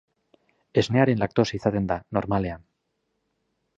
Esnearen laktosa izaten da, normalean.